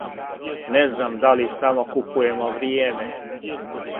Не знам да ли само купујемо вријеме.